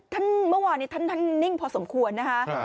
เมื่อวานนี้ท่านนิ่งพอสมควรนะคะ